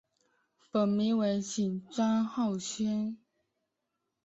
本名为景山浩宣。